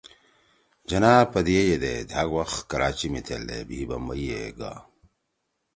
جناح پَدیئے یدے دھأک وخ کراچی می تھیلدے بھی بمبئی ئےگا